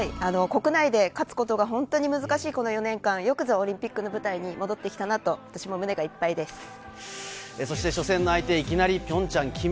国内で勝つことが本当に難しい４年間、よくぞオリンピックの舞台に戻ってきたなと、私も胸がいっぱいです。